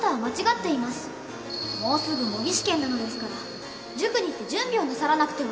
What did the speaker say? もうすぐ模擬試験なのですから塾に行って準備をなさらなくては。